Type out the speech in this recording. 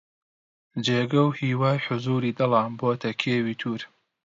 جێگە و هیوای حوزووری دڵە بۆتە کێوی توور